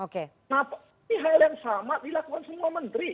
nah ini hal yang sama dilakukan semua menteri